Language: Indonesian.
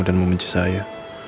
dan membenci saya